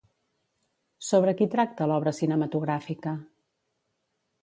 Sobre qui tracta l'obra cinematogràfica?